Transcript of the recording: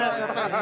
何？